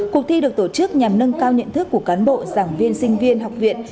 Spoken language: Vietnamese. cuộc thi được tổ chức nhằm nâng cao nhận thức của cán bộ giảng viên sinh viên học viện